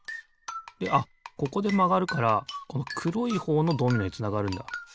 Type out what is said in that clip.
であっここでまがるからこのくろいほうのドミノへつながるんだ。